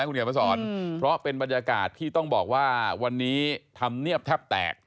คุณเขียนมาสอนเพราะเป็นบรรยากาศที่ต้องบอกว่าวันนี้ธรรมเนียบแทบแตก